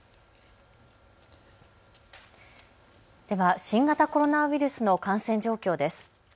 では新型コロナウイルスの感染状況です。